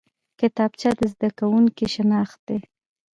کتابچه د زده کوونکي شناخت دی